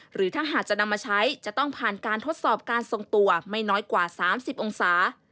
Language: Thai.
หรือถ้าหากจะนำมาใช้จะต้องผ่านการทดสอบการทรงตัวไม่น้อยกว่า๓๐องศา